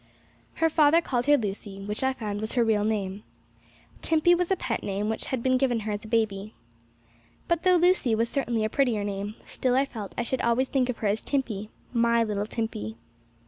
Her father called her Lucy, which I found was her real name. Timpey was a pet name, which had been given her as a baby. But though Lucy was certainly a prettier name, still I felt I should always think of her as Timpey my little Timpey.